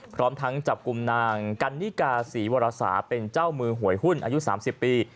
พร้อมทั้งจับกลุ่มนางกันนิกาศรีวรสาเป็นเจ้ามือหวยหุ้นอายุ๓๐ปี